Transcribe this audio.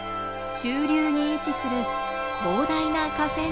中流に位置する広大な河川敷。